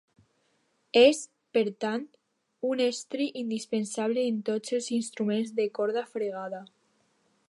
És, per tant, un estri indispensable en tots els instruments de corda fregada.